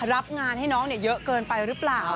รับงานให้น้องเยอะเกินไปหรือเปล่า